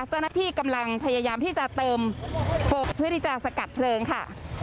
เจ้าหน้าที่กำลังพยายามที่จะเติมฟกเพื่อที่จะสกัดเพลิงค่ะ